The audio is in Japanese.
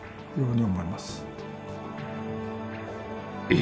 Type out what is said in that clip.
え？